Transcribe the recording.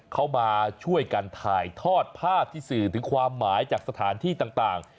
เขามาช่วยกันถ่ายทอดภาพที่สื่อถึงความหมายจากสถานที่ต่าง